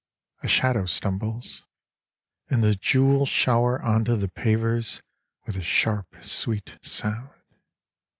A shadow stumbles, and the jewels shower On to the pavers with a sharp sweet sound.